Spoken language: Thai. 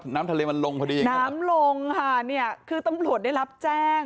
น้ำทะเลมันลงพอดีน้ำลงค่ะเนี่ยคือตำรวจได้รับแจ้ง